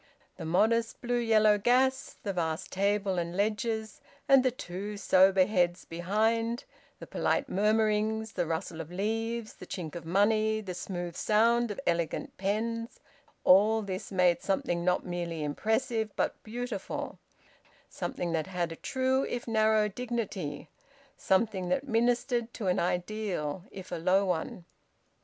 The modest blue yellow gas, the vast table and ledgers, and the two sober heads behind; the polite murmurings, the rustle of leaves, the chink of money, the smooth sound of elegant pens: all this made something not merely impressive, but beautiful; something that had a true if narrow dignity; something that ministered to an ideal if a low one.